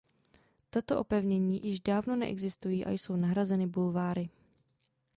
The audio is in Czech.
Tato opevnění již dávno neexistují a jsou nahrazeny bulváry.